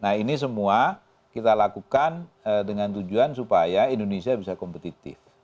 nah ini semua kita lakukan dengan tujuan supaya indonesia bisa kompetitif